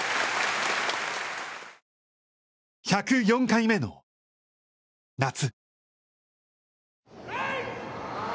１０４回目の夏。